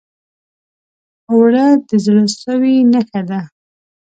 اوړه د زړه سوي نښه ده